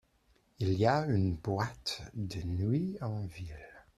Il y a une boîte de nuit en ville ?